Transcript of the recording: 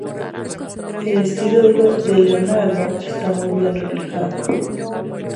El estilo de Leonardo está muy bien reflejado.